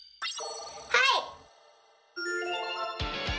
はい！